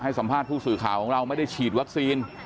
สัมภาษณ์ผู้สื่อข่าวของเราไม่ได้ฉีดวัคซีน